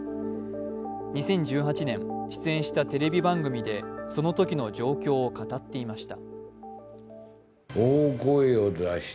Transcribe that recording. ２０１８年、出演したテレビ番組でそのときの状況を語っていました。